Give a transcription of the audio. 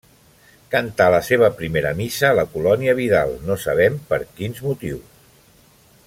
Cantà la seva primera Missa a la Colònia Vidal, no sabem per quins motius.